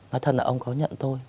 nói thật là ông có nhận tôi